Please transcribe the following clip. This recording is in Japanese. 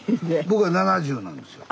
僕は７０なんですよ。